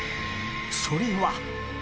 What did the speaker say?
それは。